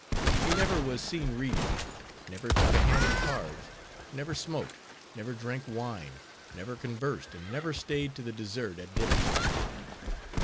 He never was seen reading; never took a hand at cards; never smoked; never drank wine; never conversed; and never staid to the dessert at dinner time.